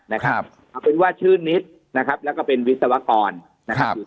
นะครับเอาเป็นว่าชื่อนิดนะครับแล้วก็เป็นวิศวกรนะครับคือ